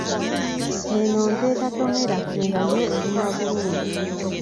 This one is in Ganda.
Eno nte etatomera nga yo eruma bulumi.